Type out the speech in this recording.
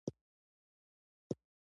کندز سیند د افغان ښځو په ژوند کې رول لري.